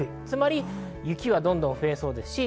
つまり雪はどんどん増えそうです。